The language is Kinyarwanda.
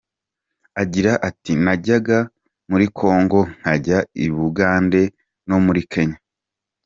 Agira ati : “Najyaga muri Congo, nkajya i Bugande, no muri Kenya.